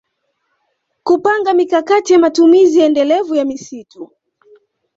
Kupanga mikakati ya matumizi endelevu ya msitu